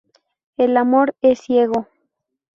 El amor es ciego